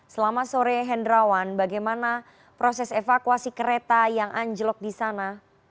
selamat sore hendrawan bagaimana proses evakuasi kereta yang anjlok di sana